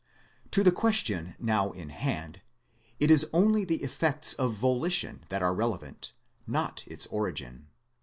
To the question now in hand it is only the effects of volition that are relevant, not its origin.